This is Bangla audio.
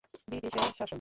ব্রিটিশের শাসন।